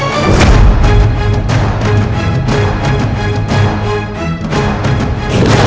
melewati bingkadan itu masih bahaya